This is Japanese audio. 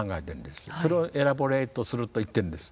それをエラボレイトすると言ってるんです。